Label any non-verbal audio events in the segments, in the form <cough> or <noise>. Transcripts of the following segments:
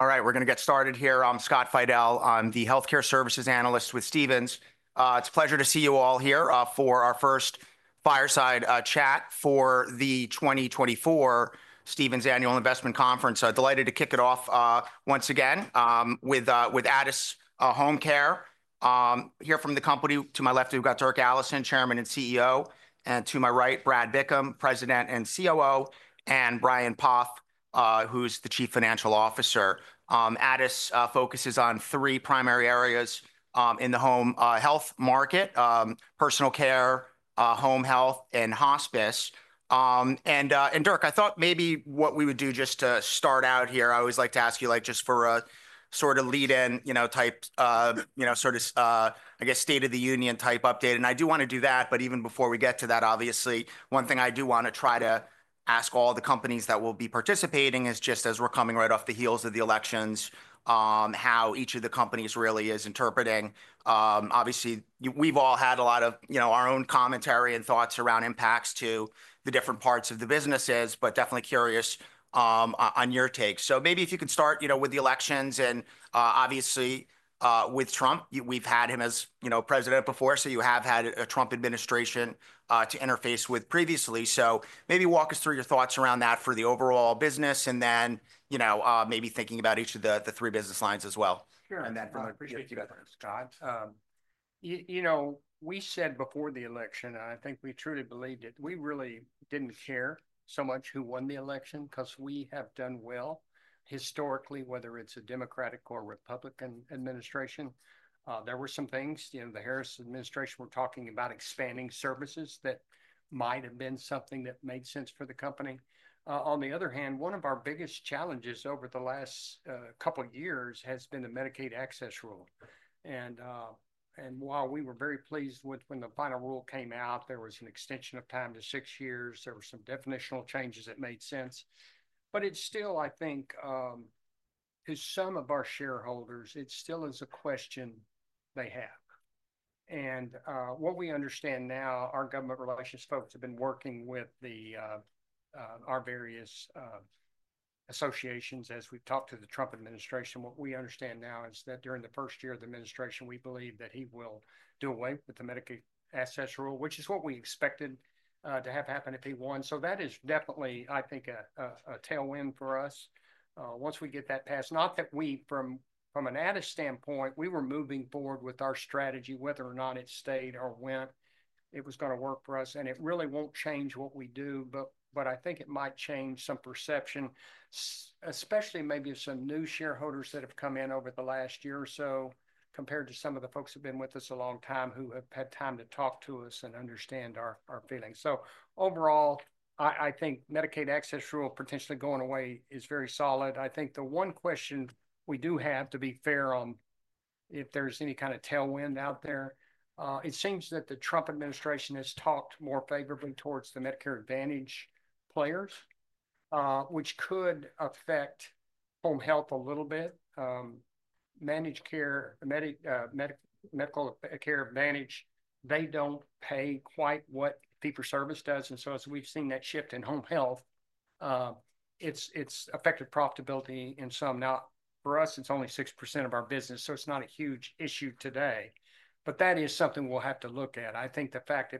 All right, we're going to get started here. I'm Scott Fidel, the Healthcare Services Analyst with Stephens. It's a pleasure to see you all here for our first fireside chat for the 2024 Stephens Annual Investment Conference. Delighted to kick it off once again with Addus HomeCare. Here from the company to my left, we've got Dirk Allison, Chairman and CEO, and to my right, Brad Bickham, President and COO, and Brian Poff, who's the Chief Financial Officer. Addus focuses on three primary areas in the home health market: personal care, home health, and hospice. And Dirk, I thought maybe what we would do just to start out here, I always like to ask you, like, just for a sort of lead-in, you know, type, you know, sort of, I guess, state of the union type update. And I do want to do that. But even before we get to that, obviously, one thing I do want to try to ask all the companies that will be participating is just, as we're coming right off the heels of the elections, how each of the companies really is interpreting. Obviously, we've all had a lot of, you know, our own commentary and thoughts around impacts to the different parts of the businesses, but definitely curious on your take. So maybe if you could start, you know, with the elections and obviously with Trump, we've had him as, you know, president before, so you have had a Trump administration to interface with previously. So maybe walk us through your thoughts around that for the overall business, and then, you know, maybe thinking about each of the three business lines as well. Sure. And then from the perspective of Scott, you know, we said before the election, and I think we truly believed it, we really didn't care so much who won the election because we have done well historically, whether it's a Democratic or Republican administration. There were some things, you know, the Harris administration were talking about expanding services that might have been something that made sense for the company. On the other hand, one of our biggest challenges over the last couple of years has been the Medicaid Access Rule. And while we were very pleased with when the final rule came out, there was an extension of time to six years. There were some definitional changes that made sense. But it's still, I think, to some of our shareholders, it still is a question they have. What we understand now, our government relations folks have been working with our various associations. As we've talked to the Trump administration, what we understand now is that during the first year of the administration, we believe that he will do away with the Medicaid Access Rule, which is what we expected to have happen if he won. That is definitely, I think, a tailwind for us once we get that passed. Not that we, from an Addus standpoint, we were moving forward with our strategy, whether or not it stayed or went, it was going to work for us. It really won't change what we do. But I think it might change some perception, especially maybe of some new shareholders that have come in over the last year or so compared to some of the folks who have been with us a long time who have had time to talk to us and understand our feelings. So overall, I think Medicaid Access Rule potentially going away is very solid. I think the one question we do have, to be fair, on if there's any kind of tailwind out there. It seems that the Trump administration has talked more favorably towards the Medicare Advantage players, which could affect home health a little bit. Managed care, Medicare Advantage, they don't pay quite what fee-for-service does. And so as we've seen that shift in home health, it's affected profitability in some. Now, for us, it's only 6% of our business, so it's not a huge issue today, but that is something we'll have to look at. I think the fact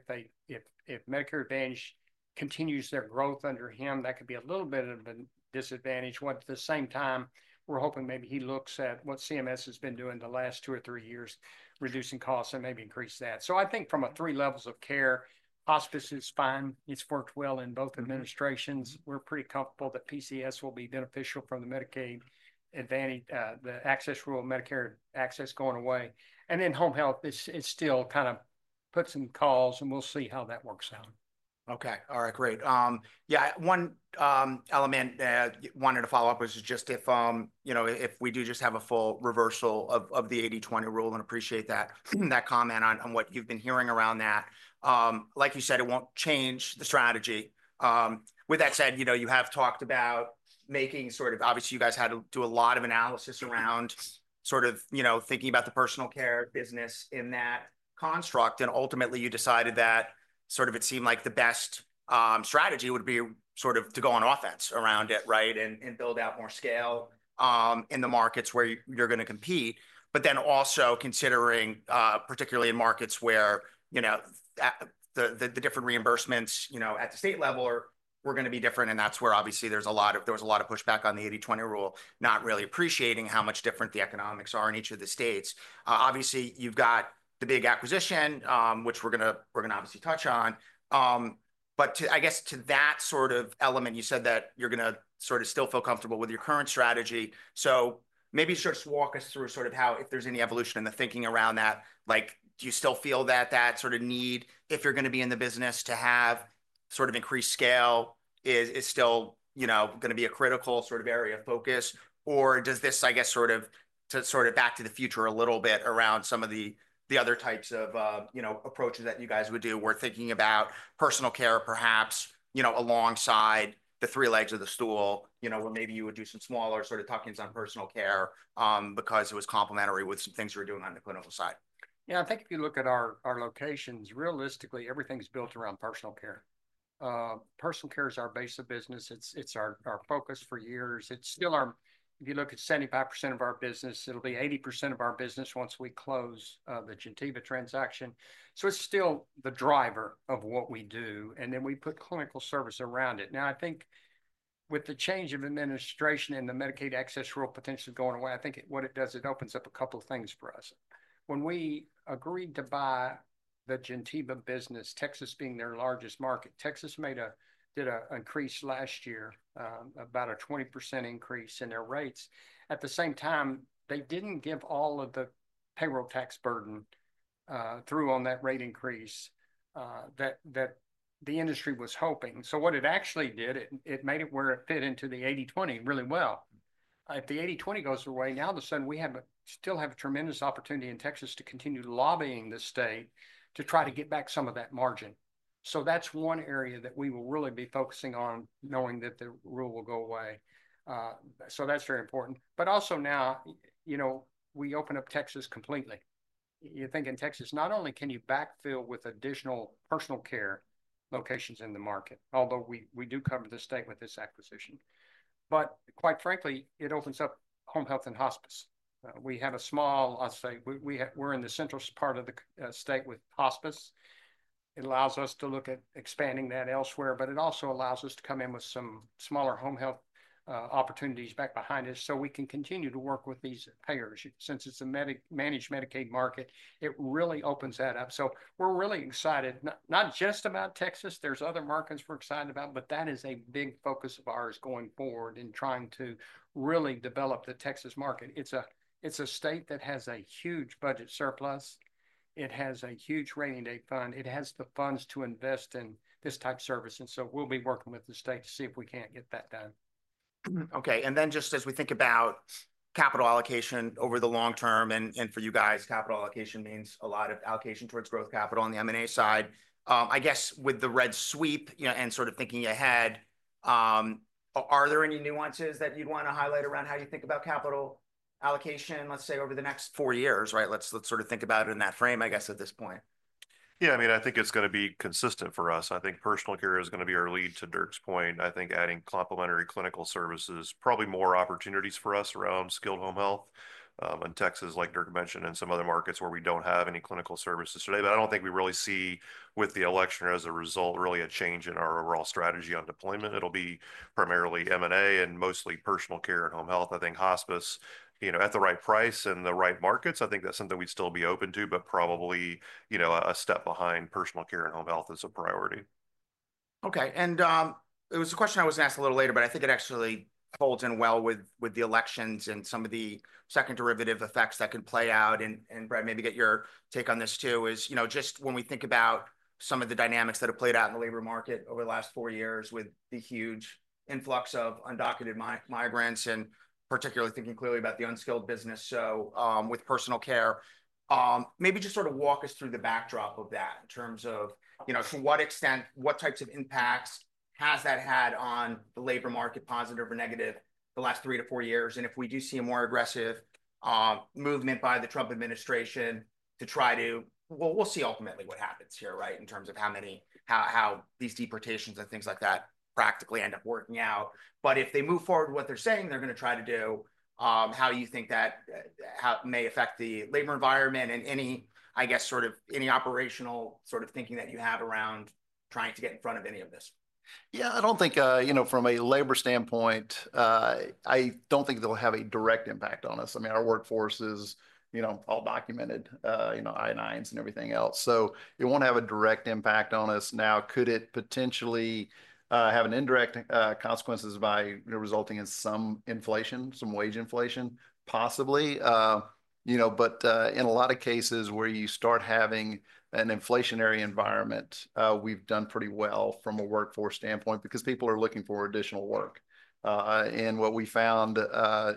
if Medicare Advantage continues their growth under him, that could be a little bit of a disadvantage. At the same time, we're hoping maybe he looks at what CMS has been doing the last two or three years, reducing costs and maybe increase that, so I think from three levels of care, hospice is fine. It's worked well in both administrations. We're pretty comfortable that PCS will be beneficial from the Medicaid Access Rule, Medicare access going away, and then home health is still kind of puts some clouds, and we'll see how that works out. Okay. All right. Great. Yeah. One element I wanted to follow up was just if, you know, if we do just have a full reversal of the 80/20 Rule and appreciate that comment on what you've been hearing around that. Like you said, it won't change the strategy. With that said, you know, you have talked about making sort of, obviously, you guys had to do a lot of analysis around sort of, you know, thinking about the personal care business in that construct, and ultimately, you decided that sort of it seemed like the best strategy would be sort of to go on offense around it, right, and build out more scale in the markets where you're going to compete, but then also considering, particularly in markets where, you know, the different reimbursements, you know, at the state level are going to be different. That's where obviously there's a lot of pushback on the 80/20 Rule, not really appreciating how much different the economics are in each of the states. Obviously, you've got the big acquisition, which we're going to obviously touch on. But I guess to that sort of element, you said that you're going to sort of still feel comfortable with your current strategy. So maybe just walk us through sort of how, if there's any evolution in the thinking around that, like, do you still feel that sort of need, if you're going to be in the business, to have sort of increased scale is still, you know, going to be a critical sort of area of focus? Or does this, I guess, sort of, to sort of back to the future a little bit around some of the other types of, you know, approaches that you guys would do? We're thinking about personal care, perhaps, you know, alongside the three legs of the stool, you know, where maybe you would do some smaller sort of tuck-ins on personal care because it was complementary with some things you were doing on the clinical side. Yeah. I think if you look at our locations, realistically, everything's built around personal care. Personal care is our base of business. It's our focus for years. It's still our, if you look at 75% of our business, it'll be 80% of our business once we close the Gentiva transaction. So it's still the driver of what we do. And then we put clinical service around it. Now, I think with the change of administration and the Medicaid Access Rule potentially going away, I think what it does, it opens up a couple of things for us. When we agreed to buy the Gentiva business, Texas being their largest market, Texas did an increase last year, about a 20% increase in their rates. At the same time, they didn't give all of the payroll tax burden through on that rate increase that the industry was hoping. So what it actually did, it made it where it fit into the 80/20 really well. If the 80/20 goes away, now all of a sudden we still have a tremendous opportunity in Texas to continue lobbying the state to try to get back some of that margin. That's one area that we will really be focusing on, knowing that the rule will go away. That's very important. But also now, you know, we open up Texas completely. You're thinking Texas, not only can you backfill with additional personal care locations in the market, although we do cover the state with this acquisition, but quite frankly, it opens up home health and hospice. We have a small, I'll say, we're in the central part of the state with hospice. It allows us to look at expanding that elsewhere, but it also allows us to come in with some smaller home health opportunities back behind us so we can continue to work with these payers. Since it's a managed Medicaid market, it really opens that up. So we're really excited, not just about Texas. There's other markets we're excited about, but that is a big focus of ours going forward in trying to really develop the Texas market. It's a state that has a huge budget surplus. It has a huge rainy day fund. It has the funds to invest in this type of service. And so we'll be working with the state to see if we can't get that done. Okay. And then just as we think about capital allocation over the long term and for you guys, capital allocation means a lot of allocation towards growth capital on the M&A side. I guess with the red wave, you know, and sort of thinking ahead, are there any nuances that you'd want to highlight around how you think about capital allocation, let's say, over the next four years, right? Let's sort of think about it in that frame, I guess, at this point. Yeah. I mean, I think it's going to be consistent for us. I think personal care is going to be our lead to Dirk's point. I think adding complementary clinical services, probably more opportunities for us around skilled home health in Texas, like Dirk mentioned, and some other markets where we don't have any clinical services today. But I don't think we really see with the election as a result, really a change in our overall strategy on deployment. It'll be primarily M&A and mostly personal care and home health. I think hospice, you know, at the right price and the right markets, I think that's something we'd still be open to, but probably, you know, a step behind personal care and home health as a priority. Okay. And it was a question I was going to ask a little later, but I think it actually folds in well with the elections and some of the second derivative effects that can play out. And, Brad, maybe get your take on this too, is, you know, just when we think about some of the dynamics that have played out in the labor market over the last four years with the huge influx of undocumented migrants and particularly thinking clearly about the unskilled business, so with personal care, maybe just sort of walk us through the backdrop of that in terms of, you know, to what extent, what types of impacts has that had on the labor market, positive or negative, the last three to four years? And if we do see a more aggressive movement by the Trump administration to try to, well, we'll see ultimately what happens here, right, in terms of how many, how these deportations and things like that practically end up working out. But if they move forward with what they're saying they're going to try to do, how do you think that may affect the labor environment and any, I guess, sort of any operational sort of thinking that you have around trying to get in front of any of this? Yeah, I don't think, you know, from a labor standpoint, I don't think they'll have a direct impact on us. I mean, our workforce is, you know, all documented, you know, <inaudible> and everything else. So it won't have a direct impact on us. Now, could it potentially have indirect consequences by resulting in some inflation, some wage inflation, possibly, you know, but in a lot of cases where you start having an inflationary environment, we've done pretty well from a workforce standpoint because people are looking for additional work. And what we found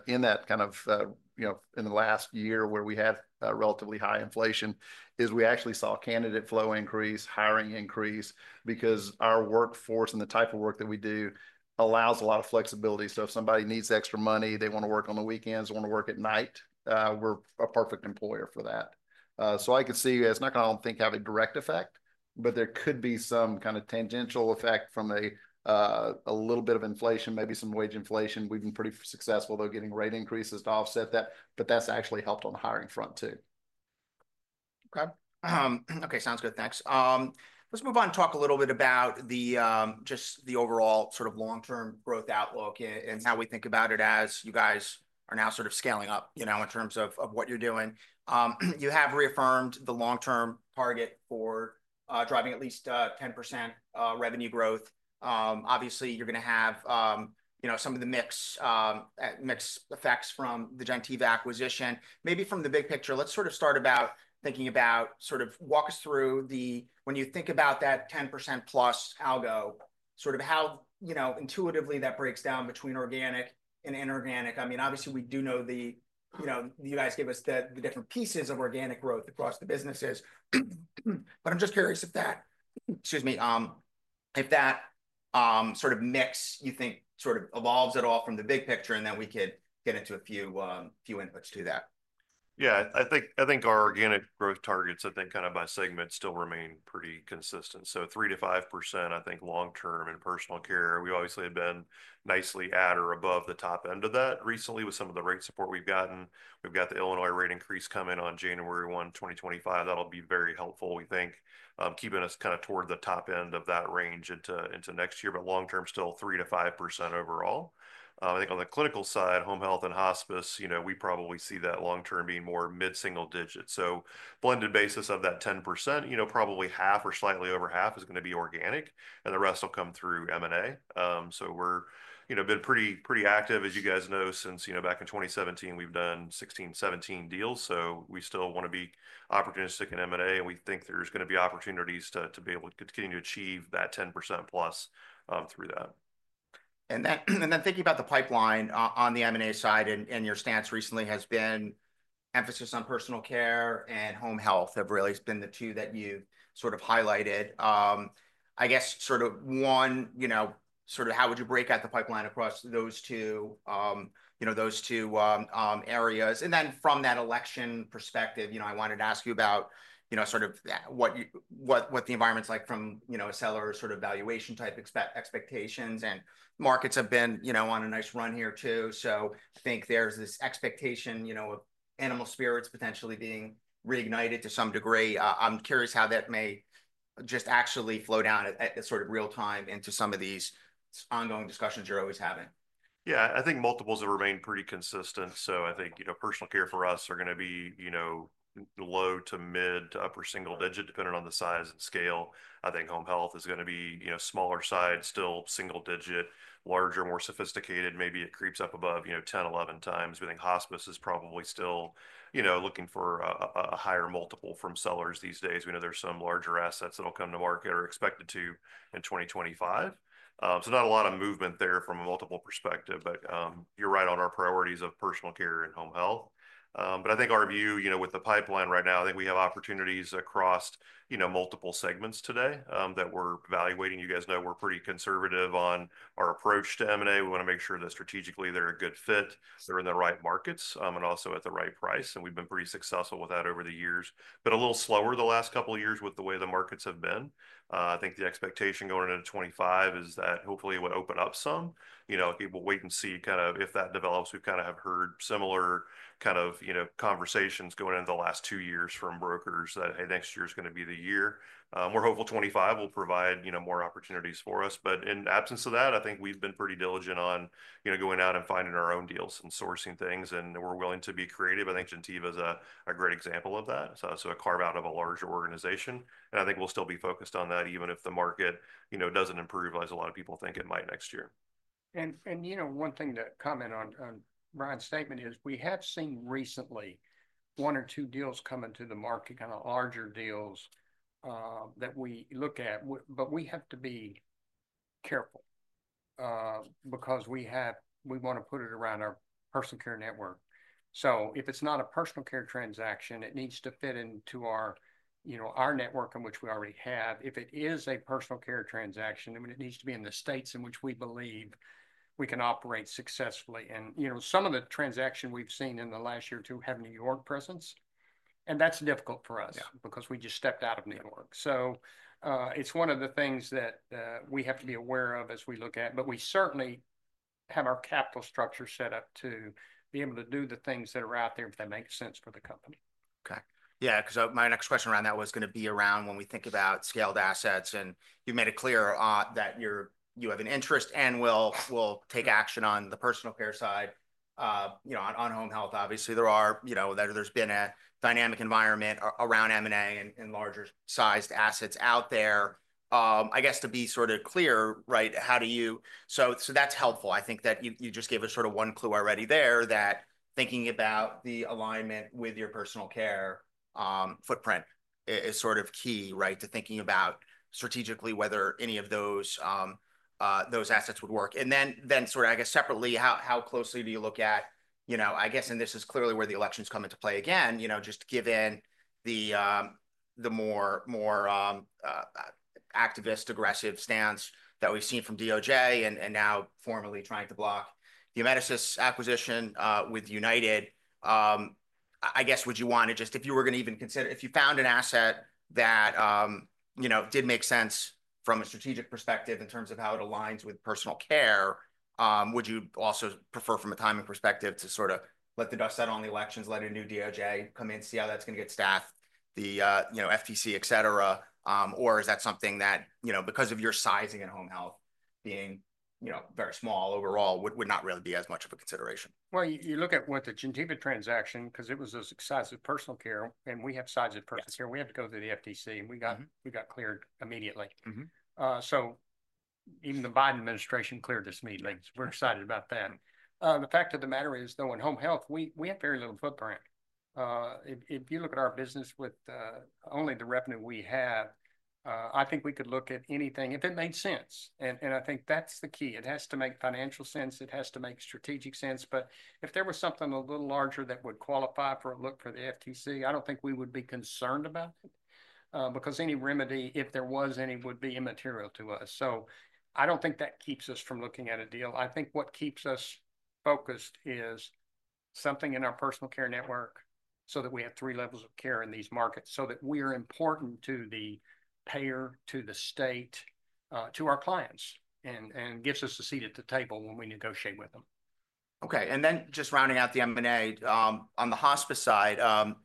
in that kind of, you know, in the last year where we had relatively high inflation is we actually saw candidate flow increase, hiring increase, because our workforce and the type of work that we do allows a lot of flexibility. So if somebody needs extra money, they want to work on the weekends, want to work at night, we're a perfect employer for that. So I could see it's not going to, I don't think, have a direct effect, but there could be some kind of tangential effect from a little bit of inflation, maybe some wage inflation. We've been pretty successful, though, getting rate increases to offset that, but that's actually helped on the hiring front too. Okay. Okay. Sounds good. Thanks. Let's move on and talk a little bit about just the overall sort of long-term growth outlook and how we think about it as you guys are now sort of scaling up, you know, in terms of what you're doing. You have reaffirmed the long-term target for driving at least 10% revenue growth. Obviously, you're going to have, you know, some of the mixed effects from the Gentiva acquisition. Maybe from the big picture, let's sort of start about thinking about sort of walk us through the, when you think about that 10% plus algo, sort of how, you know, intuitively that breaks down between organic and inorganic. I mean, obviously, we do know the, you know, you guys give us the different pieces of organic growth across the businesses. But I'm just curious if that, excuse me, if that sort of mix you think sort of evolves at all from the big picture, and then we could get into a few inputs to that. Yeah. I think our organic growth targets, I think kind of by segment still remain pretty consistent, so 3%-5%, I think long-term in personal care, we obviously have been nicely at or above the top end of that recently with some of the rate support we've gotten. We've got the Illinois rate increase coming on January 1, 2025. That'll be very helpful, we think, keeping us kind of toward the top end of that range into next year. But long-term, still 3%-5% overall. I think on the clinical side, home health and hospice, you know, we probably see that long-term being more mid-single digit, so blended basis of that 10%, you know, probably half or slightly over half is going to be organic, and the rest will come through M&A. So we're, you know, been pretty active, as you guys know, since, you know, back in 2017, we've done 16, 17 deals. So we still want to be opportunistic in M&A, and we think there's going to be opportunities to be able to continue to achieve that 10% plus through that. And then, thinking about the pipeline on the M&A side and your stance recently has been emphasis on personal care and home health have really been the two that you've sort of highlighted. I guess sort of one, you know, sort of how would you break out the pipeline across those two, you know, those two areas? And then from that election perspective, you know, I wanted to ask you about, you know, sort of what the environment's like from, you know, a seller sort of valuation type expectations. And markets have been, you know, on a nice run here too. So I think there's this expectation, you know, of animal spirits potentially being reignited to some degree. I'm curious how that may just actually flow down at sort of real time into some of these ongoing discussions you're always having. Yeah. I think multiples have remained pretty consistent. So I think, you know, personal care for us are going to be, you know, low to mid to upper single digit, depending on the size and scale. I think home health is going to be, you know, smaller side, still single digit, larger, more sophisticated. Maybe it creeps up above, you know, 10, 11 times. We think hospice is probably still, you know, looking for a higher multiple from sellers these days. We know there's some larger assets that will come to market or expected to in 2025. So not a lot of movement there from a multiple perspective, but you're right on our priorities of personal care and home health. But I think our view, you know, with the pipeline right now, I think we have opportunities across, you know, multiple segments today that we're evaluating. You guys know we're pretty conservative on our approach to M&A. We want to make sure that strategically they're a good fit, they're in the right markets, and also at the right price. And we've been pretty successful with that over the years, but a little slower the last couple of years with the way the markets have been. I think the expectation going into 2025 is that hopefully it would open up some. You know, we'll wait and see kind of if that develops. We kind of have heard similar kind of, you know, conversations going into the last two years from brokers that, hey, next year is going to be the year. We're hopeful 2025 will provide, you know, more opportunities for us. But in absence of that, I think we've been pretty diligent on, you know, going out and finding our own deals and sourcing things. And we're willing to be creative. I think Gentiva is a great example of that. So a carve-out of a larger organization. And I think we'll still be focused on that even if the market, you know, doesn't improve as a lot of people think it might next year. You know, one thing to comment on Brad's statement is we have seen recently one or two deals come into the market, kind of larger deals that we look at, but we have to be careful because we have, we want to put it around our personal care network. So if it's not a personal care transaction, it needs to fit into our, you know, our network in which we already have. If it is a personal care transaction, then it needs to be in the states in which we believe we can operate successfully. You know, some of the transactions we've seen in the last year or two have New York presence. That's difficult for us because we just stepped out of New York. So, it's one of the things that we have to be aware of as we look at, but we certainly have our capital structure set up to be able to do the things that are out there if they make sense for the company. Okay. Yeah. Because my next question around that was going to be around when we think about scaled assets, and you made it clear that you have an interest and will take action on the personal care side, you know, on home health. Obviously, you know, there's been a dynamic environment around M&A and larger-sized assets out there. I guess to be sort of clear, right, how do you? So that's helpful. I think that you just gave us sort of one clue already there that thinking about the alignment with your personal care footprint is sort of key, right, to thinking about strategically whether any of those assets would work. And then sort of, I guess, separately, how closely do you look at, you know, I guess, and this is clearly where the election's come into play again, you know, just given the more activist, aggressive stance that we've seen from DOJ and now formally trying to block the Amedisys acquisition with United. I guess, would you want to just, if you were going to even consider, if you found an asset that, you know, did make sense from a strategic perspective in terms of how it aligns with personal care, would you also prefer from a timing perspective to sort of let the dust settle on the elections, let a new DOJ come in, see how that's going to get staffed, the, you know, FTC, et cetera? Or is that something that, you know, because of your sizing and home health being, you know, very small overall, would not really be as much of a consideration? You look at what the Gentiva transaction, because it was an acquisition of personal care, and we have sizable personal care. We have to go to the FTC, and we got cleared immediately. Even the Biden administration cleared us immediately. We're excited about that. The fact of the matter is, though, in home health, we have very little footprint. If you look at our business with only the revenue we have, I think we could look at anything if it made sense. I think that's the key. It has to make financial sense. It has to make strategic sense. If there was something a little larger that would qualify for a look for the FTC, I don't think we would be concerned about it because any remedy, if there was any, would be immaterial to us. So I don't think that keeps us from looking at a deal. I think what keeps us focused is something in our personal care network so that we have three levels of care in these markets so that we are important to the payer, to the state, to our clients, and gives us a seat at the table when we negotiate with them. Okay. And then just rounding out the M&A on the hospice side,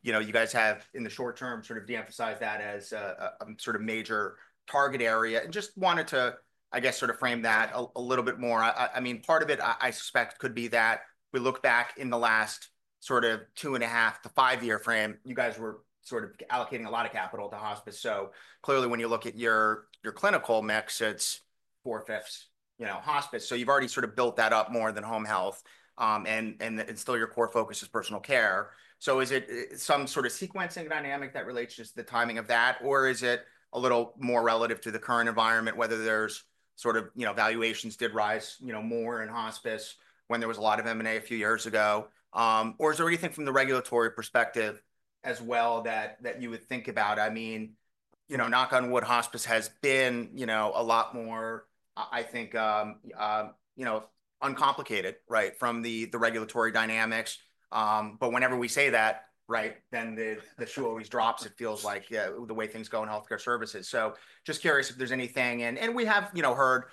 you know, you guys have in the short term sort of de-emphasized that as a sort of major target area. And just wanted to, I guess, sort of frame that a little bit more. I mean, part of it, I suspect, could be that we look back in the last sort of two and a half to five-year frame, you guys were sort of allocating a lot of capital to hospice. So clearly, when you look at your clinical mix, it's four-fifths, you know, hospice. So you've already sort of built that up more than home health. And still, your core focus is personal care. So is it some sort of sequencing dynamic that relates just to the timing of that, or is it a little more relative to the current environment, whether there's sort of, you know, valuations did rise, you know, more in hospice when there was a lot of M&A a few years ago? Or is there anything from the regulatory perspective as well that you would think about? I mean, you know, knock on wood, hospice has been, you know, a lot more, I think, you know, uncomplicated, right, from the regulatory dynamics. But whenever we say that, right, then the shoe always drops. It feels like the way things go in healthcare services. So just curious if there's anything. And we have, you know, heard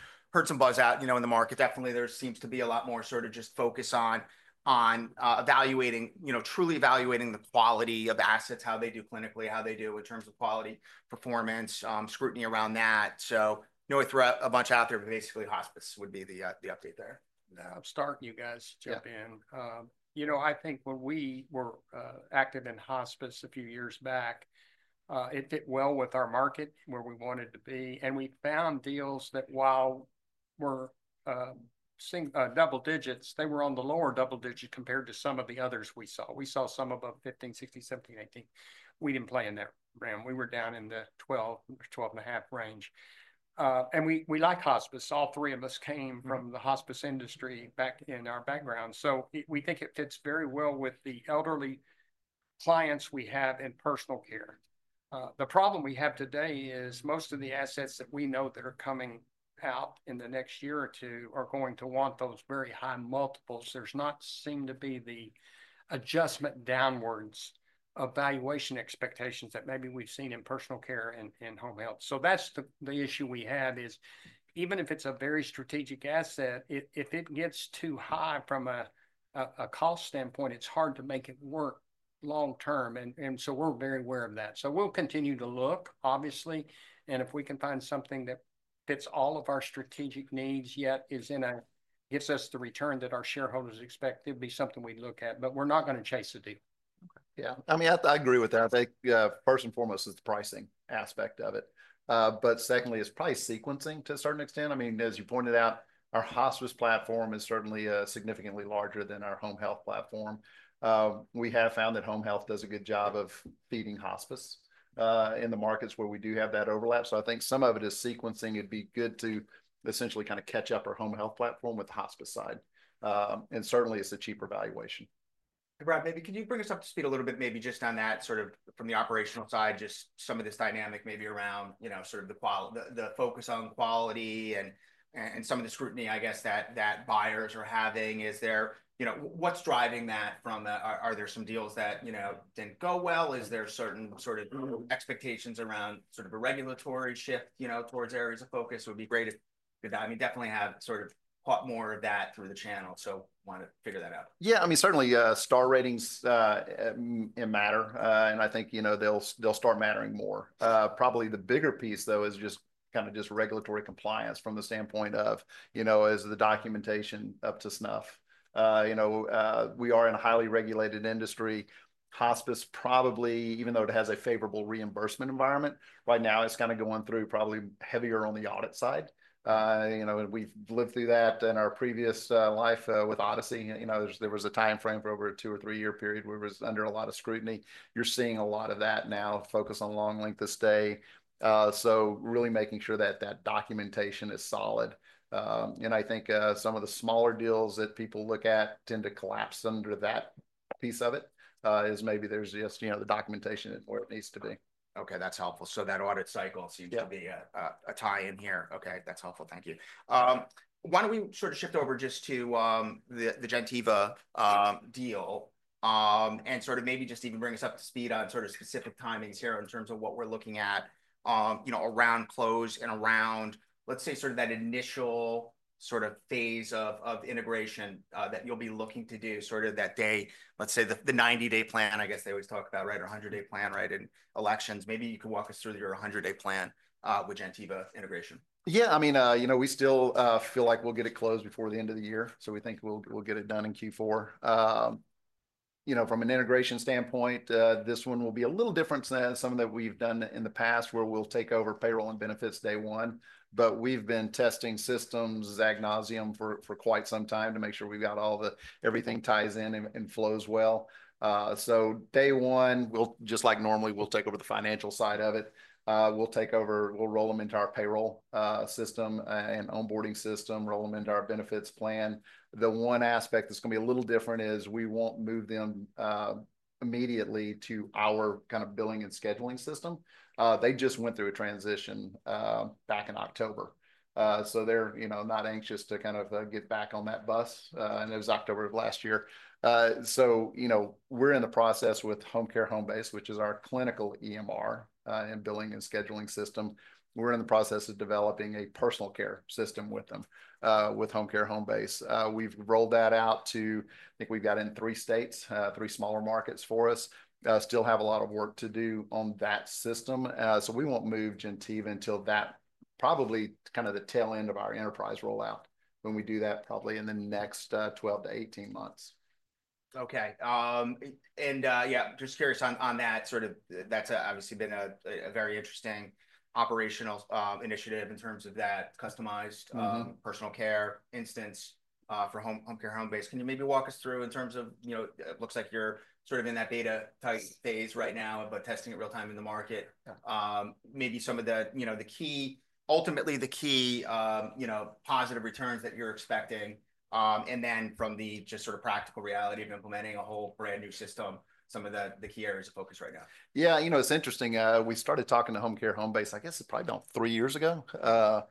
some buzz out, you know, in the market. Definitely, there seems to be a lot more sort of just focus on evaluating, you know, truly evaluating the quality of assets, how they do clinically, how they do in terms of quality performance, scrutiny around that. So no threat, a bunch out there, but basically hospice would be the update there. Start, and you guys jump in. You know, I think when we were active in hospice a few years back, it fit well with our market where we wanted to be. We found deals that, while they were double digits, were on the lower double digits compared to some of the others we saw. We saw some above 15, 16, 17, 18. We didn't play in that realm. We were down in the 12-12.5 range. We like hospice. All three of us came from the hospice industry back in our background. We think it fits very well with the elderly clients we have in personal care. The problem we have today is most of the assets that we know that are coming out in the next year or two are going to want those very high multiples. There doesn't seem to be the adjustment downwards of valuation expectations that maybe we've seen in personal care and home health. So that's the issue we have is even if it's a very strategic asset, if it gets too high from a cost standpoint, it's hard to make it work long term. And so we're very aware of that. So we'll continue to look, obviously. And if we can find something that fits all of our strategic needs yet is one that gives us the return that our shareholders expect, it'd be something we'd look at, but we're not going to chase a deal. Yeah. I mean, I agree with that. I think first and foremost is the pricing aspect of it. But secondly, it's probably sequencing to a certain extent. I mean, as you pointed out, our hospice platform is certainly significantly larger than our home health platform. We have found that home health does a good job of feeding hospice in the markets where we do have that overlap. So I think some of it is sequencing. It'd be good to essentially kind of catch up our home health platform with the hospice side. And certainly, it's a cheaper valuation. Brad, maybe can you bring us up to speed a little bit, maybe just on that sort of from the operational side, just some of this dynamic maybe around, you know, sort of the focus on quality and some of the scrutiny, I guess, that buyers are having. Is there, you know, what's driving that from? Are there some deals that, you know, didn't go well? Is there certain sort of expectations around sort of a regulatory shift, you know, towards areas of focus? It would be great if, I mean, definitely have sort of caught more of that through the channel. So want to figure that out. Yeah. I mean, certainly star ratings matter. And I think, you know, they'll start mattering more. Probably the bigger piece, though, is just kind of just regulatory compliance from the standpoint of, you know, is the documentation up to snuff? You know, we are in a highly regulated industry. Hospice, probably, even though it has a favorable reimbursement environment right now, it's kind of going through probably heavier on the audit side. You know, we've lived through that in our previous life with Odyssey. You know, there was a timeframe for over a two or three-year period where it was under a lot of scrutiny. You're seeing a lot of that now, focus on long length of stay. So really making sure that that documentation is solid. And I think some of the smaller deals that people look at tend to collapse under that piece of it, is maybe there's just, you know, the documentation where it needs to be. Okay. That's helpful. So that audit cycle seems to be a tie in here. Okay. That's helpful. Thank you. Why don't we sort of shift over just to the Gentiva deal and sort of maybe just even bring us up to speed on sort of specific timings here in terms of what we're looking at, you know, around close and around, let's say, sort of that initial sort of phase of integration that you'll be looking to do sort of that day, let's say the 90-day plan, I guess they always talk about, right, or 100-day plan, right, in elections. Maybe you can walk us through your 100-day plan with Gentiva integration. Yeah. I mean, you know, we still feel like we'll get it closed before the end of the year. So we think we'll get it done in Q4. You know, from an integration standpoint, this one will be a little different than some of that we've done in the past where we'll take over payroll and benefits day one. But we've been testing systems agnostic for quite some time to make sure we've got all the everything ties in and flows well. So day one, just like normally, we'll take over the financial side of it. We'll take over, we'll roll them into our payroll system and onboarding system, roll them into our benefits plan. The one aspect that's going to be a little different is we won't move them immediately to our kind of billing and scheduling system. They just went through a transition back in October. So they're, you know, not anxious to kind of get back on that bus. And it was October of last year. So, you know, we're in the process with Homecare Homebase, which is our clinical EMR and billing and scheduling system. We're in the process of developing a personal care system with them, with Homecare Homebase. We've rolled that out to, I think we've got in three states, three smaller markets for us. Still have a lot of work to do on that system. So we won't move Gentiva until that probably kind of the tail end of our enterprise rollout when we do that probably in the next 12 to 18 months. Okay. And yeah, just curious on that sort of, that's obviously been a very interesting operational initiative in terms of that customized personal care instance for Homecare Homebase. Can you maybe walk us through in terms of, you know, it looks like you're sort of in that beta type phase right now, but testing it real time in the market, maybe some of the, you know, the key, ultimately the key, you know, positive returns that you're expecting. And then from the just sort of practical reality of implementing a whole brand new system, some of the key areas of focus right now. Yeah, you know, it's interesting. We started talking to Homecare Homebase, I guess it's probably about three years ago. You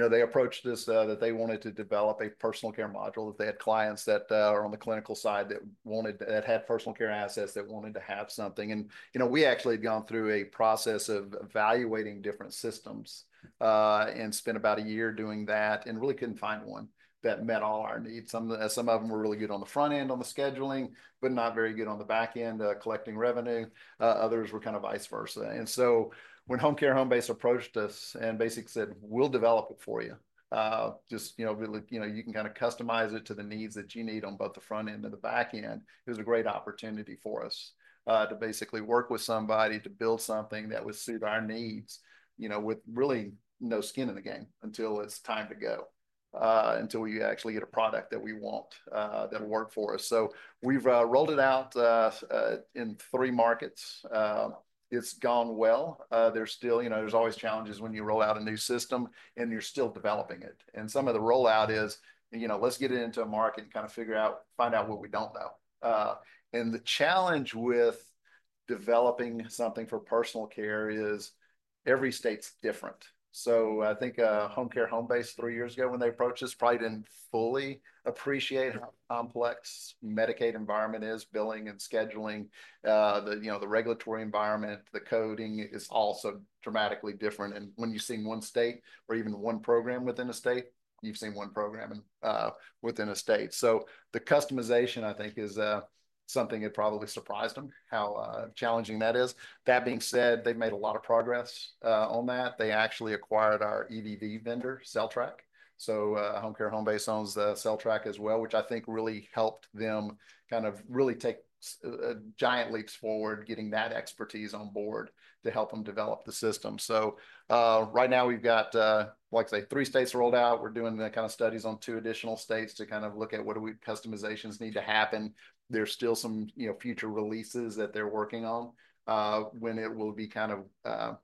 know, they approached us that they wanted to develop a personal care module if they had clients that are on the clinical side that wanted, that had personal care assets that wanted to have something. And, you know, we actually had gone through a process of evaluating different systems and spent about a year doing that and really couldn't find one that met all our needs. Some of them were really good on the front end on the scheduling, but not very good on the back end collecting revenue. Others were kind of vice versa. And so when Homecare Homebase approached us and basically said, we'll develop it for you, just, you know, you can kind of customize it to the needs that you need on both the front end and the back end, it was a great opportunity for us to basically work with somebody to build something that would suit our needs, you know, with really no skin in the game until it's time to go, until we actually get a product that we want that'll work for us. So we've rolled it out in three markets. It's gone well. There's still, you know, there's always challenges when you roll out a new system and you're still developing it. And some of the rollout is, you know, let's get it into a market and kind of figure out, find out what we don't know. The challenge with developing something for personal care is every state's different. I think Homecare Homebase three years ago when they approached us probably didn't fully appreciate how complex Medicaid environment is, billing and scheduling, you know, the regulatory environment, the coding is also dramatically different. When you've seen one state or even one program within a state, you've seen one program within a state. The customization, I think, is something that probably surprised them how challenging that is. That being said, they've made a lot of progress on that. They actually acquired our EVV vendor, CellTrak. Homecare Homebase owns the CellTrak as well, which I think really helped them kind of really take giant leaps forward getting that expertise on board to help them develop the system. Right now we've got, like I say, three states rolled out. We're doing the kind of studies on two additional states to kind of look at what customizations do we need to happen. There's still some, you know, future releases that they're working on when it will be kind of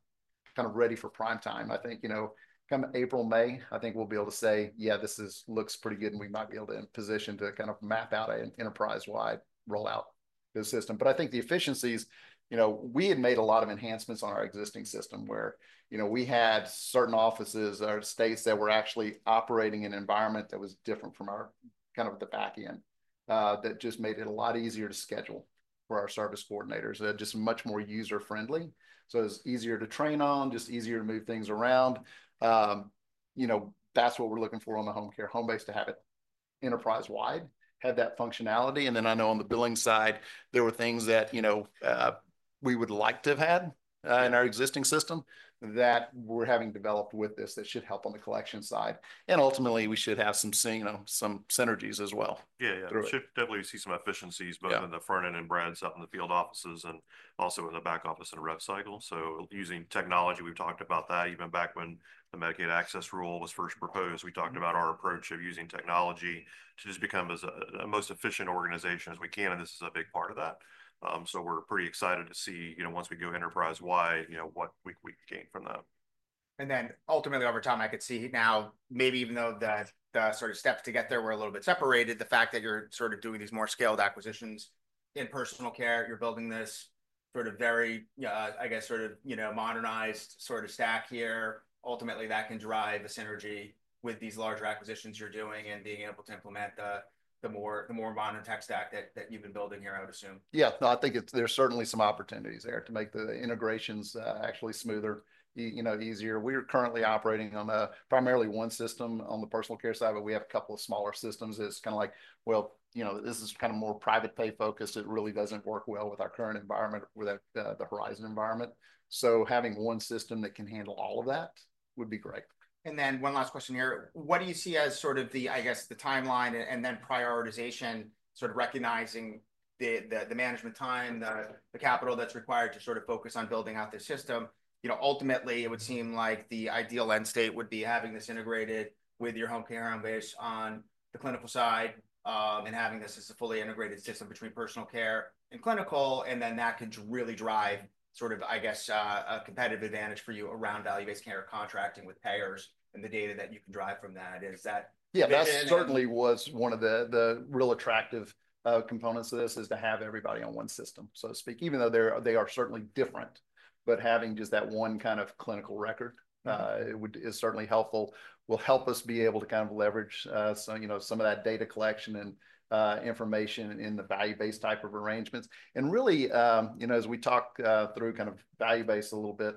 ready for prime time. I think, you know, come April, May, I think we'll be able to say, yeah, this looks pretty good and we might be able to position to kind of map out an enterprise-wide rollout of the system. But I think the efficiencies, you know, we had made a lot of enhancements on our existing system where, you know, we had certain offices or states that were actually operating in an environment that was different from our kind of the back end that just made it a lot easier to schedule for our service coordinators. Just much more user-friendly. So it's easier to train on, just easier to move things around. You know, that's what we're looking for on the Homecare Homebase to have it enterprise-wide, have that functionality. And then I know on the billing side, there were things that, you know, we would like to have had in our existing system that we're having developed with this that should help on the collection side. And ultimately, we should have some, you know, some synergies as well. Yeah, yeah. There should definitely be some efficiencies both in the front end and breadth up in the field offices and also in the back office and rev cycle. So using technology, we've talked about that even back when the Medicaid Access Rule was first proposed. We talked about our approach of using technology to just become as a most efficient organization as we can. This is a big part of that. We're pretty excited to see, you know, once we go enterprise-wide, you know, what we gain from that. And then ultimately over time, I could see now maybe even though the sort of steps to get there were a little bit separated, the fact that you're sort of doing these more scaled acquisitions in personal care, you're building this sort of very, I guess, sort of, you know, modernized sort of stack here. Ultimately, that can drive the synergy with these larger acquisitions you're doing and being able to implement the more modern tech stack that you've been building here, I would assume. Yeah. No, I think there's certainly some opportunities there to make the integrations actually smoother, you know, easier. We're currently operating on primarily one system on the personal care side, but we have a couple of smaller systems. It's kind of like, well, you know, this is kind of more private pay focused. It really doesn't work well with our current environment, with the Horizon environment. So having one system that can handle all of that would be great. And then one last question here. What do you see as sort of the, I guess, the timeline and then prioritization, sort of recognizing the management time, the capital that's required to sort of focus on building out this system? You know, ultimately, it would seem like the ideal end state would be having this integrated with your Homecare Homebase on the clinical side and having this as a fully integrated system between personal care and clinical. And then that could really drive sort of, I guess, a competitive advantage for you around value-based care contracting with payers and the data that you can drive from that. Is that? Yeah, that certainly was one of the real attractive components of this is to have everybody on one system, so to speak, even though they are certainly different. But having just that one kind of clinical record is certainly helpful, will help us be able to kind of leverage some, you know, some of that data collection and information in the value-based type of arrangements. And really, you know, as we talk through kind of value-based a little bit,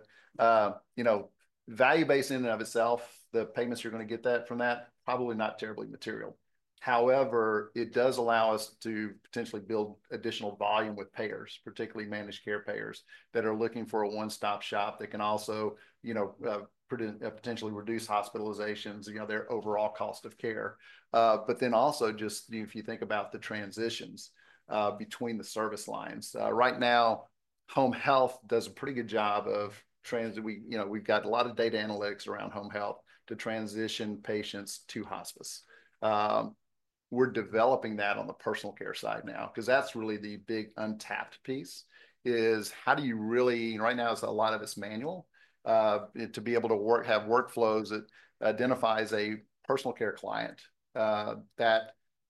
you know, value-based in and of itself, the payments you're going to get from that, probably not terribly material. However, it does allow us to potentially build additional volume with payers, particularly managed care payers that are looking for a one-stop shop that can also, you know, potentially reduce hospitalizations, you know, their overall cost of care. But then also just, you know, if you think about the transitions between the service lines. Right now, home health does a pretty good job of, you know, we've got a lot of data analytics around home health to transition patients to hospice. We're developing that on the personal care side now because that's really the big untapped piece is how do you really, right now, it's a lot of it's manual to be able to work, have workflows that identifies a personal care client that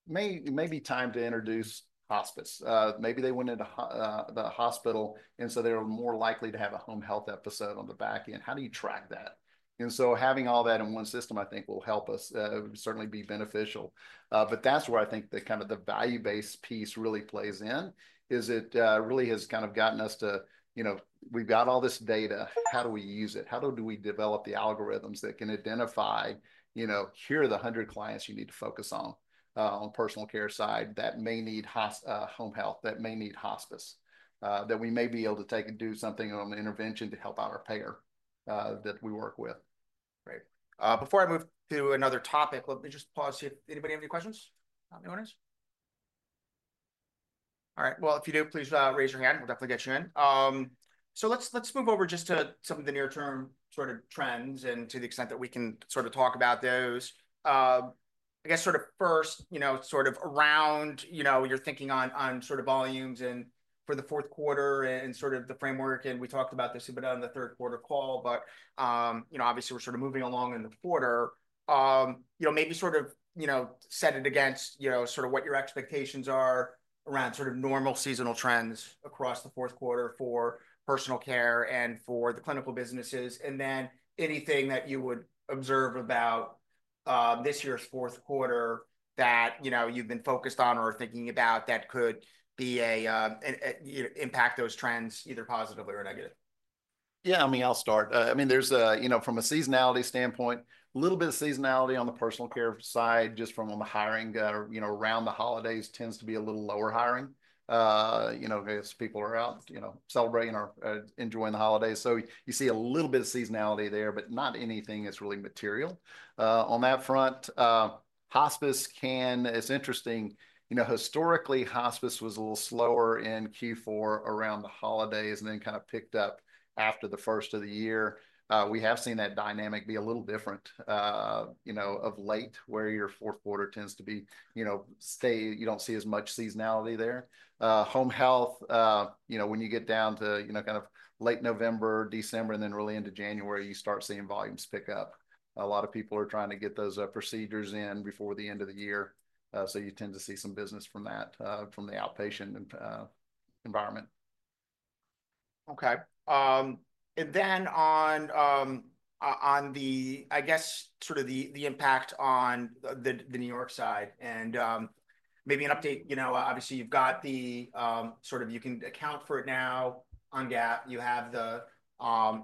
may be time to introduce hospice. Maybe they went into the hospital and so they're more likely to have a home health episode on the back end. How do you track that? And so having all that in one system, I think will help us certainly be beneficial. But that's where I think the kind of value-based piece really plays in. It really has kind of gotten us to, you know, we've got all this data. How do we use it? How do we develop the algorithms that can identify, you know, here are the 100 clients you need to focus on on the personal care side that may need home health, that may need hospice, that we may be able to take and do something on the intervention to help out our payer that we work with. Great. Before I move to another topic, let me just pause here. Anybody have any questions? Anyone else? All right. Well, if you do, please raise your hand. We'll definitely get you in. So let's move over just to some of the near-term sort of trends and to the extent that we can sort of talk about those. I guess sort of first, you know, sort of around, you know, you're thinking on sort of volumes and for the fourth quarter and sort of the framework. And we talked about this a bit on the third quarter call, but, you know, obviously we're sort of moving along in the quarter. You know, maybe sort of, you know, set it against, you know, sort of what your expectations are around sort of normal seasonal trends across the fourth quarter for personal care and for the clinical businesses. And then anything that you would observe about this year's fourth quarter that, you know, you've been focused on or thinking about that could be a, you know, impact those trends either positively or negative? Yeah, I mean, I'll start. I mean, there's, you know, from a seasonality standpoint, a little bit of seasonality on the personal care side just from the hiring, you know, around the holidays tends to be a little lower hiring. You know, as people are out, you know, celebrating or enjoying the holidays. So you see a little bit of seasonality there, but not anything that's really material. On that front, hospice can, it's interesting, you know, historically hospice was a little slower in Q4 around the holidays and then kind of picked up after the first of the year. We have seen that dynamic be a little different, you know, of late where your fourth quarter tends to be, you know, you don't see as much seasonality there. health, you know, when you get down to, you know, kind of late November, December, and then really into January, you start seeing volumes pick up. A lot of people are trying to get those procedures in before the end of the year. So you tend to see some business from that, from the outpatient environment. Okay. And then on the, I guess, sort of the impact on the New York side and maybe an update, you know, obviously you've got the sort of, you can account for it now on GAAP. You have the,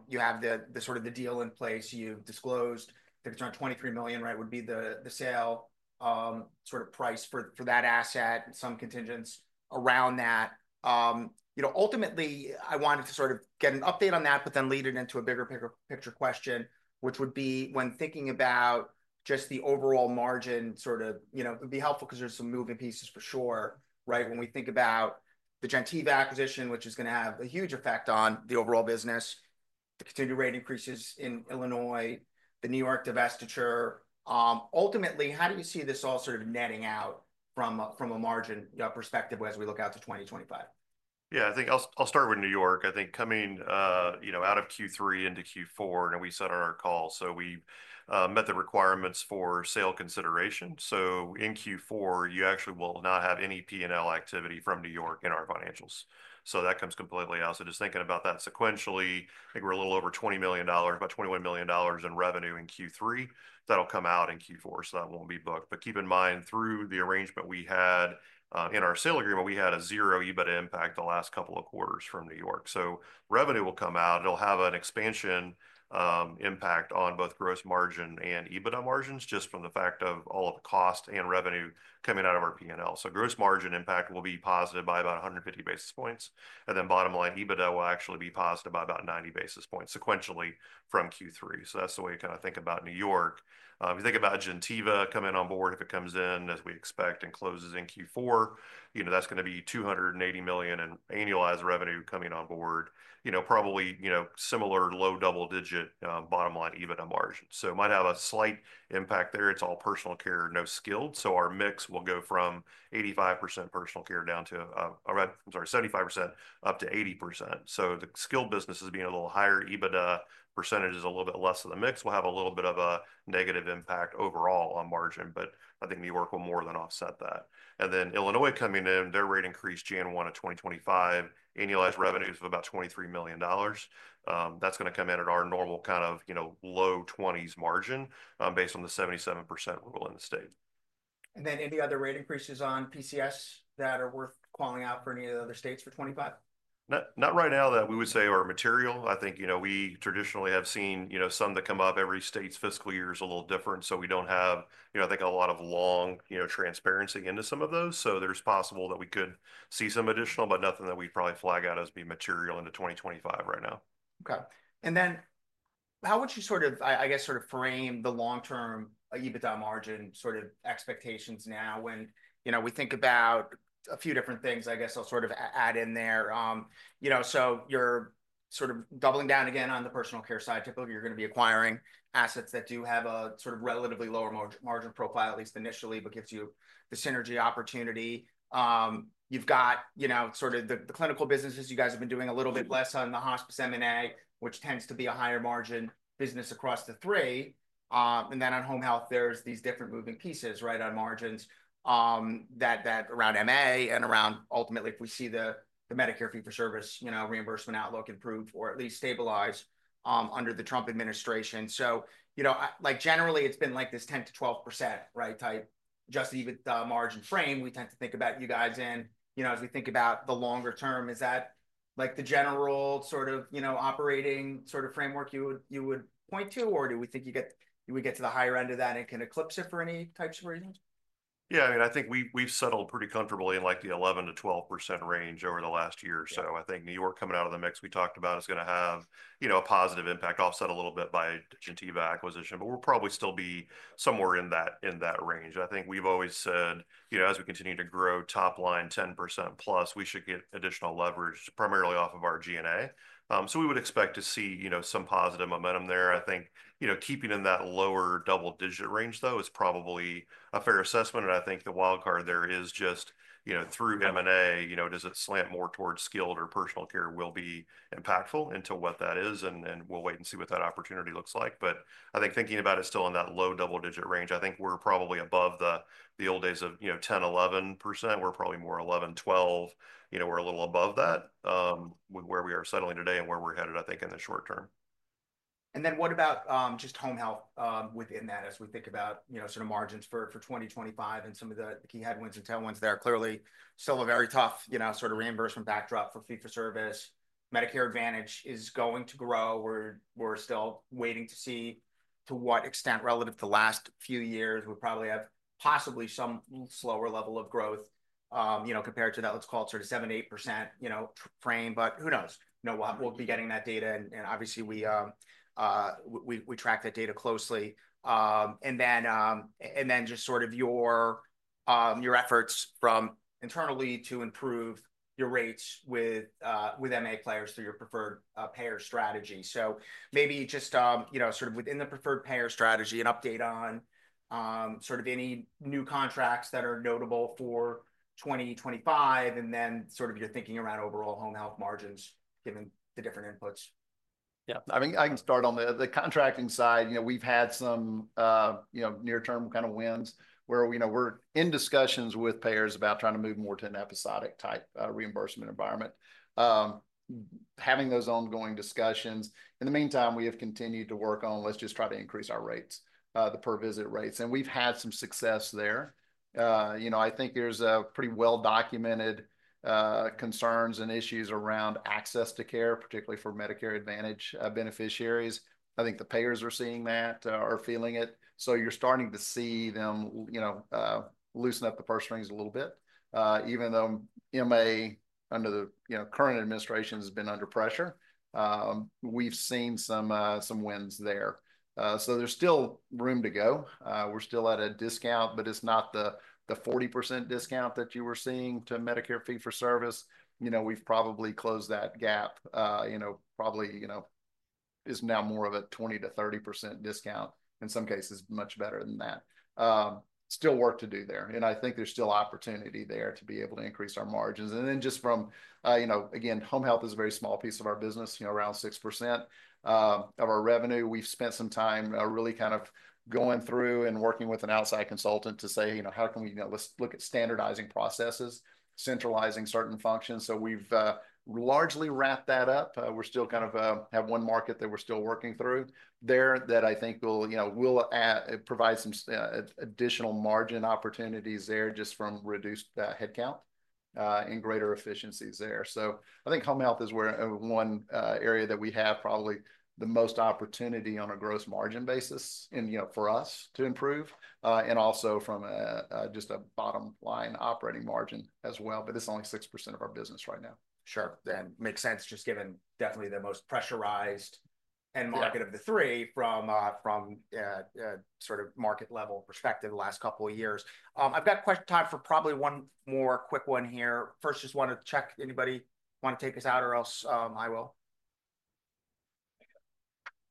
you have the sort of the deal in place. You've disclosed that it's around $23 million, right, would be the sale sort of price for that asset and some contingents around that. You know, ultimately, I wanted to sort of get an update on that, but then lead it into a bigger picture question, which would be when thinking about just the overall margin sort of, you know, it'd be helpful because there's some moving pieces for sure, right? When we think about the Gentiva acquisition, which is going to have a huge effect on the overall business, the continued rate increases in Illinois, the New York divestiture. Ultimately, how do you see this all sort of netting out from a margin perspective as we look out to 2025? Yeah, I think I'll start with New York. I think coming, you know, out of Q3 into Q4, you know, we set out our call. So we met the requirements for sale consideration. So in Q4, you actually will not have any P&L activity from New York in our financials. So that comes completely out. So just thinking about that sequentially, I think we're a little over $20 million, about $21 million in revenue in Q3. That'll come out in Q4. So that won't be booked. But keep in mind through the arrangement we had in our sale agreement, we had a zero EBITDA impact the last couple of quarters from New York. So revenue will come out. It'll have an expansion impact on both gross margin and EBITDA margins just from the fact of all of the cost and revenue coming out of our P&L. Gross margin impact will be positive by about 150 basis points. And then bottom line, EBITDA will actually be positive by about 90 basis points sequentially from Q3. That's the way you kind of think about New York. If you think about Gentiva coming on board, if it comes in as we expect and closes in Q4, you know, that's going to be $280 million in annualized revenue coming on board, you know, probably, you know, similar low double-digit bottom line EBITDA margin. So it might have a slight impact there. It's all personal care, no skilled. So our mix will go from 85% personal care down to, I'm sorry, 75% up to 80%. So the skilled businesses being a little higher, EBITDA percentage is a little bit less than the mix. We'll have a little bit of a negative impact overall on margin, but I think New York will more than offset that. And then Illinois coming in, their rate increased January 1 of 2025, annualized revenues of about $23 million. That's going to come in at our normal kind of, you know, low 20s margin based on the 77% rule in the state. And then any other rate increases on PCS that are worth calling out for any of the other states for 2025? Not right now that we would say are material. I think, you know, we traditionally have seen, you know, some that come up. Every state's fiscal year is a little different. So we don't have, you know, I think a lot of long, you know, transparency into some of those. So there's possible that we could see some additional, but nothing that we'd probably flag out as being material into 2025 right now. Okay, and then how would you sort of, I guess, sort of frame the long-term EBITDA margin sort of expectations now when, you know, we think about a few different things. I guess I'll sort of add in there. You know, so you're sort of doubling down again on the personal care side. Typically, you're going to be acquiring assets that do have a sort of relatively lower margin profile, at least initially, but gives you the synergy opportunity. You've got, you know, sort of the clinical businesses. You guys have been doing a little bit less on the hospice M&A, which tends to be a higher margin business across the three. And then on home health, there's these different moving pieces, right, on margins, they're around MA and around ultimately if we see the Medicare fee-for-service, you know, reimbursement outlook improved or at least stabilized under the Trump administration. So, you know, like generally it's been like this 10%-12%, right, typical EBITDA margin frame. We tend to think about you guys in, you know, as we think about the longer term. Is that like the general sort of, you know, operating sort of framework you would point to, or do we think you get, we get to the higher end of that and can eclipse it for any types of reasons? Yeah, I mean, I think we've settled pretty comfortably in like the 11%-12% range over the last year. So I think New York coming out of the mix we talked about is going to have, you know, a positive impact offset a little bit by Gentiva acquisition, but we'll probably still be somewhere in that range. I think we've always said, you know, as we continue to grow top line 10% plus, we should get additional leverage primarily off of our G&A. So we would expect to see, you know, some positive momentum there. I think, you know, keeping in that lower double-digit range though is probably a fair assessment. And I think the wild card there is just, you know, through M&A, you know, does it slant more towards skilled or personal care will be impactful into what that is. We'll wait and see what that opportunity looks like. I think thinking about it still in that low double-digit range, I think we're probably above the old days of, you know, 10%-11%. We're probably more 11%-12%, you know, we're a little above that where we are settling today and where we're headed, I think in the short term. And then what about just home health within that as we think about, you know, sort of margins for 2025 and some of the key headwinds and tailwinds there? Clearly still a very tough, you know, sort of reimbursement backdrop for fee-for-service. Medicare Advantage is going to grow. We're still waiting to see to what extent relative to last few years. We probably have possibly some slower level of growth, you know, compared to that, let's call it sort of 7-8%, you know, frame. But who knows? You know, we'll be getting that data. And obviously we track that data closely. And then just sort of your efforts from internally to improve your rates with MA players through your preferred payer strategy. So maybe just, you know, sort of within the preferred payer strategy, an update on sort of any new contracts that are notable for 2025 and then sort of your thinking around overall home health margins given the different inputs. Yeah, I mean, I can start on the contracting side. You know, we've had some, you know, near-term kind of wins where, you know, we're in discussions with payers about trying to move more to an episodic type reimbursement environment, having those ongoing discussions. In the meantime, we have continued to work on, let's just try to increase our rates, the per-visit rates. And we've had some success there. You know, I think there's a pretty well-documented concerns and issues around access to care, particularly for Medicare Advantage beneficiaries. I think the payers are seeing that, are feeling it. So you're starting to see them, you know, loosen up the purse strings a little bit. Even though MA under the, you know, current administration has been under pressure, we've seen some wins there. So there's still room to go. We're still at a discount, but it's not the 40% discount that you were seeing to Medicare fee-for-service. You know, we've probably closed that gap, you know, probably, you know, is now more of a 20%-30% discount in some cases, much better than that. Still work to do there. I think there's still opportunity there to be able to increase our margins. Then just from, you know, again, home health is a very small piece of our business, you know, around 6% of our revenue. We've spent some time really kind of going through and working with an outside consultant to say, you know, how can we, you know, let's look at standardizing processes, centralizing certain functions. So we've largely wrapped that up. We're still kind of have one market that we're still working through there that I think will, you know, will provide some additional margin opportunities there just from reduced headcount and greater efficiencies there. So I think home health is one area that we have probably the most opportunity on a gross margin basis and, you know, for us to improve and also from just a bottom line operating margin as well. But it's only 6% of our business right now. Sure. That makes sense just given definitely the most pressurized end market of the three from sort of market level perspective the last couple of years. I've got question time for probably one more quick one here. First, just want to check anybody want to take us out or else I will.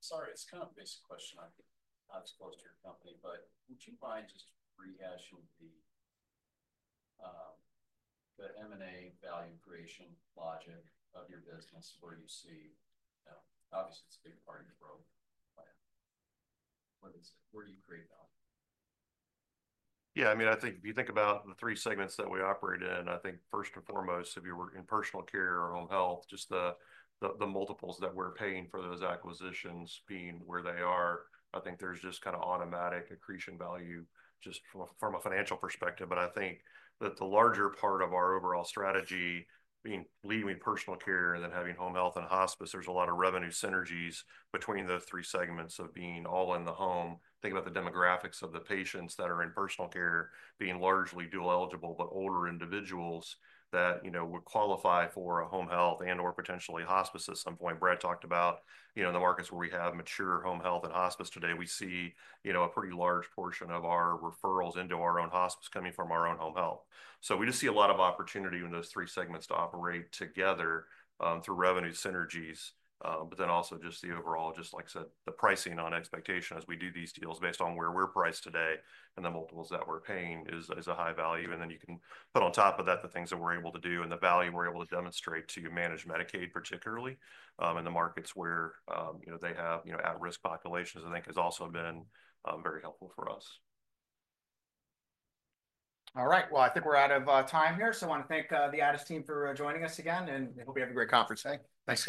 Sorry, it's kind of a basic question. Not as close to your company, but would you mind just rehashing the M&A value creation logic of your business where you see, obviously it's a big part of your growth plan. Where do you create value? Yeah, I mean, I think if you think about the three segments that we operate in, I think first and foremost, if you're working in personal care or home health, just the multiples that we're paying for those acquisitions being where they are, I think there's just kind of automatic accretion value just from a financial perspective. But I think that the larger part of our overall strategy being leading with personal care and then having home health and hospice, there's a lot of revenue synergies between those three segments of being all in the home. Think about the demographics of the patients that are in personal care being largely dual eligible, but older individuals that, you know, would qualify for a home health and/or potentially hospice at some point. Brad talked about, you know, in the markets where we have mature home health and hospice today. We see, you know, a pretty large portion of our referrals into our own hospice coming from our own home health. So we just see a lot of opportunity in those three segments to operate together through revenue synergies. But then also just the overall, just like I said, the pricing on expectation as we do these deals based on where we're priced today and the multiples that we're paying is a high value. And then you can put on top of that the things that we're able to do and the value we're able to demonstrate to manage Medicaid particularly in the markets where, you know, they have, you know, at-risk populations. I think has also been very helpful for us. All right. Well, I think we're out of time here. So I want to thank the Addus team for joining us again and hope you have a great conference. Thanks.